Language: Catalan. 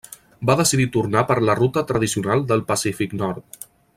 Va decidir tornar per la ruta tradicional del Pacífic Nord.